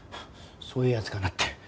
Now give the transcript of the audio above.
そういうやつかなって。